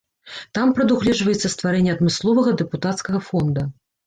Там прадугледжваецца стварэнне адмысловага дэпутацкага фонда.